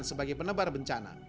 sebagai penebar bencana